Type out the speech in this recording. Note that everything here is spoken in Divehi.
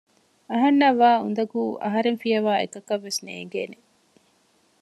އަހަންނަށް ވާ އުނދަގޫ އަހަރެން ފިޔަވައި އެކަކަށްވެސް ނޭނގޭނެ